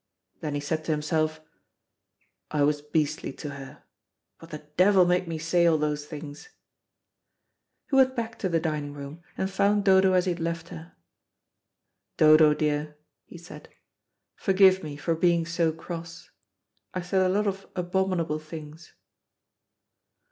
Then he said to himself, "I was beastly to her. What the devil made me say all those things." He went back to the dining room, and found Dodo as he had left her. "Dodo, dear," he said, "forgive me for being so cross. I said a lot of abominable things."